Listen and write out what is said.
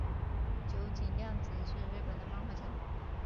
九井谅子是日本的漫画家。